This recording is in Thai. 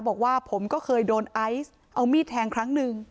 บอกว่าผมก็เคยโดนไอซ์เอามีดแทงครั้งหนึ่ง